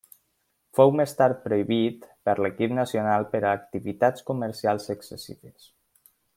Fou més tard prohibit per l'equip nacional per a activitats comercials excessives.